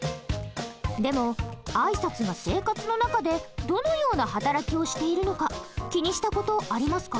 でも挨拶が生活の中でどのような働きをしているのか気にした事ありますか？